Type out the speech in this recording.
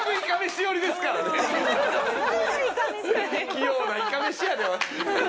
器用ないかめしやで。